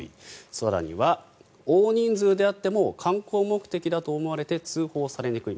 更には、大人数であっても観光目的だと思われて通報されにくい。